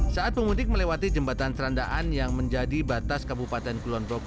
saat pemudik melewati jembatan serandaan yang menjadi batas kabupaten kulonprogo